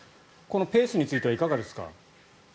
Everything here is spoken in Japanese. このペースについてはいかがですか？